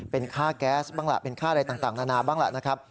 เป็นค่าแก๊สบ้างล่ะเป็นค่าอะไรต่างนานาบ้างล่ะนะครับ